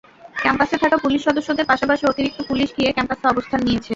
ক্যাম্পাসে থাকা পুলিশ সদস্যদের পাশাপাশি অতিরিক্ত পুলিশ গিয়ে ক্যাম্পাসে অবস্থান নিয়েছে।